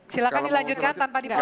silahkan dilanjutkan tanpa dipotong